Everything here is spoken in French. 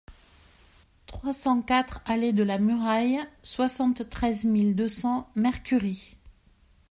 trois cent quatre allée de la Muraille, soixante-treize mille deux cents Mercury